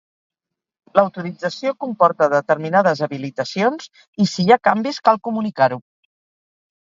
L'autorització comporta determinades habilitacions, i si hi ha canvis cal comunicar-ho.